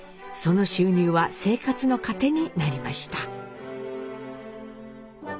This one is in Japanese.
その収入は生活の糧になりました。